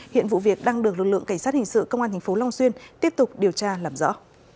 hiện vụ việc đang được lực lượng cảnh sát hình sự công an tp long xuyên tiếp tục điều tra làm rõ